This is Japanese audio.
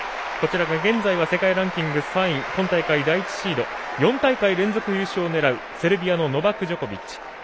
現在世界ランキング３位今大会第１シード４大会連続優勝を狙うセルビアのノバク・ジョコビッチ。